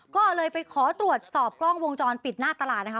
ก็เลยไปขอตรวจสอบกล้องวงจรปิดหน้าตลาดนะคะ